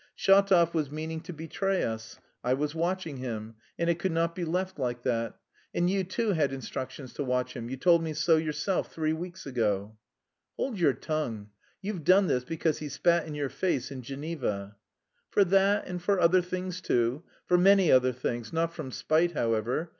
Shatov was meaning to betray us; I was watching him, and it could not be left like that. And you too had instructions to watch him; you told me so yourself three weeks ago...." "Hold your tongue! You've done this because he spat in your face in Geneva!" "For that and for other things too for many other things; not from spite, however.